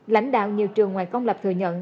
lãnh đạo nhiều trường ngoài công lập thừa nhận